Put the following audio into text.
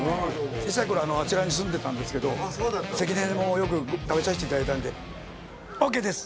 小さいころあちらに住んでたんですけどセキネもよく食べさせていただいたんで。